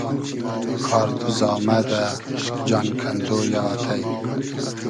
کار تو زامئدۂ ، جان کئندۉ یۂ آتݷ